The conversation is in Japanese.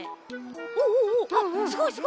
おおおすごいすごい。